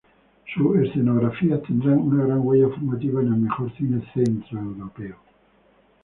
Sus escenografías tendrán una gran huella formativa en el mejor cine centroeuropeo.